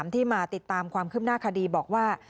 ที่มาติดตามความคืบหน้าคดีบอกว่า